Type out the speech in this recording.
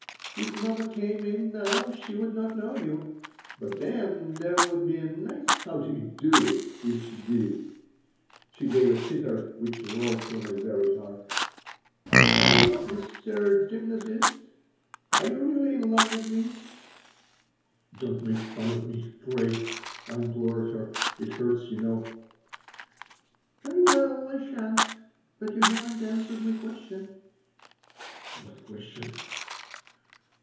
"If mamma came in now she would not know you. But then there would be a nice how do you do if she did." She gave a titter which rolled through my very heart. "Well, Mr. Gymnasist, [note] are you really in love with me?" "Don't make fun of me, pray," I implored her. "It hurts, you know." "Very well, I sha'n't. But you haven't answered my question." "What question?"